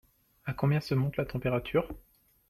À combien se monte la température ?